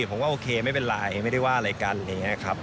ผมก็โอเคไม่เป็นไรไม่ได้ว่าอะไรกันอะไรอย่างนี้ครับ